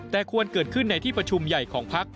แต่ควรเกิดขึ้นในที่ประชุมใหญ่ของพัก